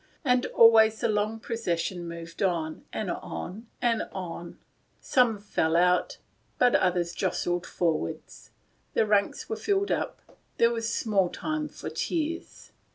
And always the long procession moved on, and on, and on ; some fell out, but others jostled forward; the ranks were filled up; THE GATE OF SILENCE. ' 279 there was small time for tears.